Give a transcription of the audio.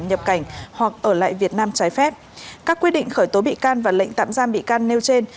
nhập cảnh hoặc ở lại việt nam trái phép các quyết định khởi tố bị can và lệnh tạm giam bị can nêu trên